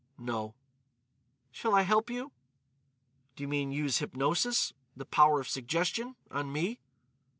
"No." "Shall I help you?" "Do you mean use hypnosis—the power of suggestion—on me?"